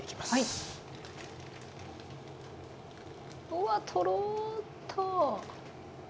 うわとろっと。